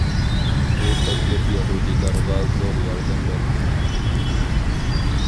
بۇ تەكلىپ يەھۇدىيلارغا زور ياردەم بەردى.